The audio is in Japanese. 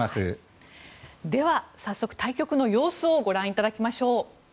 では、早速対局の様子をご覧いただきましょう。